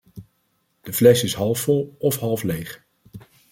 De fles is halfvol of halfleeg.